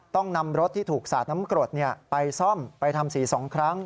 ต้องนำรถที่ถูกสาดน้ำกรดไปซ่อมไปทำสี๒ครั้ง